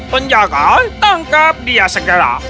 penjaga tangkap dia segera